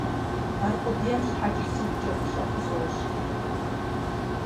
Аркъудейм щхьэкӀи сигукӀэ фӀыщӀэ хузощӀ.